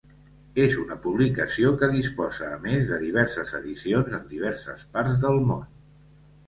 És una publicació que disposa a més de diverses edicions en diverses parts del món.